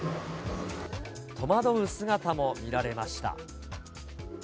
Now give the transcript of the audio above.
戸惑う姿も見られました。